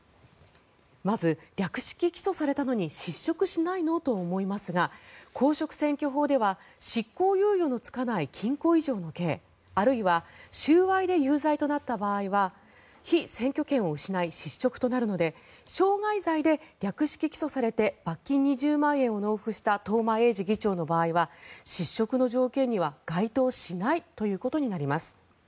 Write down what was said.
まず略式起訴されたのに失職しないの？と思いますが公職選挙法では執行猶予のつかない禁錮以上の刑あるいは収賄で有罪となった場合は被選挙権を失い失職となるので傷害罪で略式起訴されて罰金２０万円を納付した東間永次議長の場合は失職の条件には該当しないということになります。